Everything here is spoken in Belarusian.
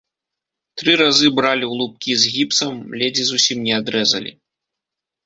Тры разы бралі ў лубкі з гіпсам, ледзь і зусім не адрэзалі.